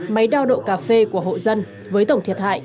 máy đao độ cà phê của hộ dân với tổng thiệt hại